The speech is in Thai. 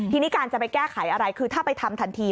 ทีนี้การจะไปแก้ไขอะไรคือถ้าไปทำทันที